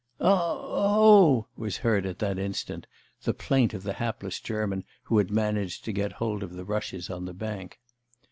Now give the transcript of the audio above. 'A a o o' was heard at that instant, the plaint of the hapless German who had managed to get hold of the rushes on the bank.